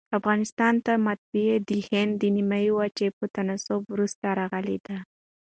افغانستان ته مطبعه دهند د نیمي وچي په تناسب وروسته راغلې ده.